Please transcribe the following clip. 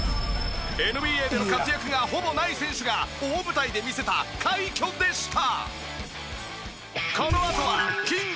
ＮＢＡでの活躍がほぼない選手が大舞台で見せた快挙でした。